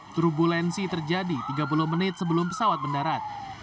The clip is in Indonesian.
turbulensi terjadi tiga puluh menit sebelum pesawat mendarat